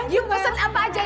yuk pesen apa aja